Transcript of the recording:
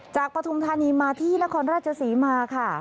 จากประธุมธานีมาที่นครราชสีมาค่ะ